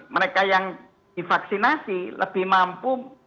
mereka yang divaksinasi lebih mampu